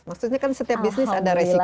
maksudnya kan setiap bisnis ada resikonya kan